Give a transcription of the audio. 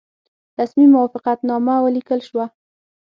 رسمي موافقتنامه ولیکل شوه.